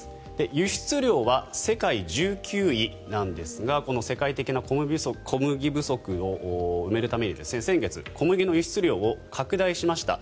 輸出量は世界１９位なんですがこの世界的な小麦不足を埋めるために先月、小麦の輸出量を拡大しました。